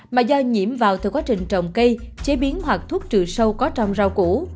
mà do nhiễm vào từ quá trình trồng cây chế biến hoặc thuốc trừ sâu có trong rau củ